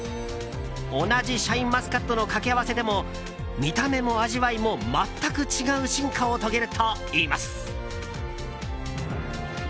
同じシャインマスカットの掛け合わせでも見た目も味わいも全く違う進化を遂げるといいます。